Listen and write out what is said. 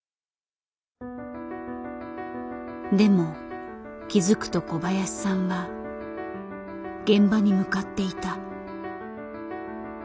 でも気付くと小林さんは現場に向かっていた。